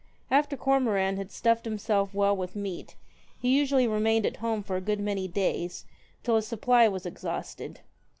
After Cormoran had stuffed himself well with meat, he usually remained at home for a good many days, till his supply was exhausted.